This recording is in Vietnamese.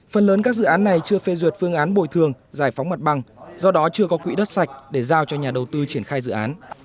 phần lớn các dự án này chưa phê duyệt phương án bồi thường giải phóng mặt bằng do đó chưa có quỹ đất sạch để giao cho nhà đầu tư triển khai dự án